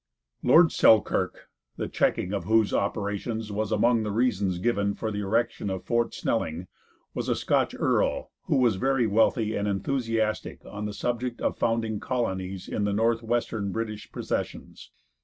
Lord Selkirk, the checking of whose operations was among the reasons given for the erection of Fort Snelling, was a Scotch earl who was very wealthy and enthusiastic on the subject of founding colonies in the Northwestern British possessions.